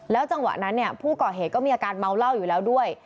จังหวะนั้นผู้ก่อเหตุก็มีอาการเมาเหล้าอยู่แล้วด้วย